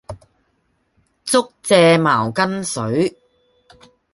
竹蔗茅根水